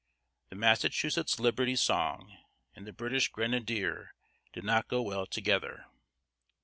The "Massachusetts Liberty Song" and "The British Grenadier" did not go well together.